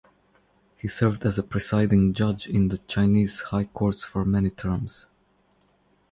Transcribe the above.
He served as a presiding judge in the Chinese high courts for many terms.